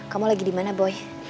kamu lagi di mana boy